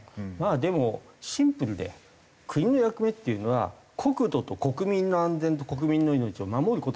でもシンプルで国の役目っていうのは国土と国民の安全と国民の命を守る事だから。